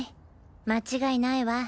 間違いないわ。